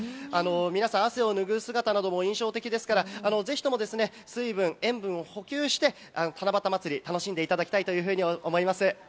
皆さん汗を拭う姿なんかも印象的ですから、ぜひとも水分・塩分を補給して、七夕まつり楽しんでいただきたいというふうに思います。